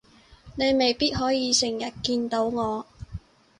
你未必可以成日見到我